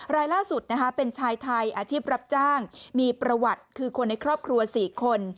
รายล่าสุดเป็นชายไทยอาชีพรับจ้างมีประวัติคือคนในครอบครัว๔คน